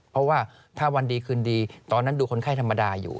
เพราะว่าถ้าวันดีคืนดีตอนนั้นดูคนไข้ธรรมดาอยู่